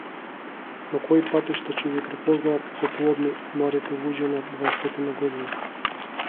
Но кои патишта ќе ги препознаат како плодни младите луѓе на дваесетина години?